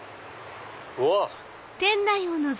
うわっ！